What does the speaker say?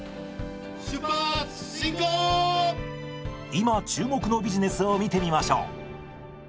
今注目のビジネスを見てみましょう。